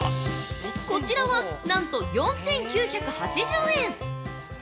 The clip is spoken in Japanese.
◆こちらは、なんと４９８０円！